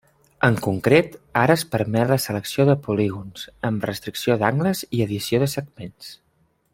En concret ara es permet la selecció de polígons, amb restricció d'angles i edició de segments.